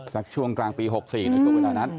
ช่วงกลางปี๖๔ในช่วงเวลานั้น